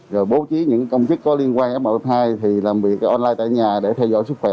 rồi bố trí những công chức có liên quan f một f hai thì làm việc online tại nhà để theo dõi sức khỏe